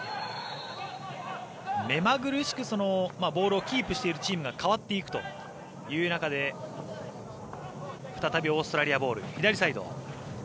めまぐるしくボールをキープしているチームが変わっていくという中で再びオーストラリアボール。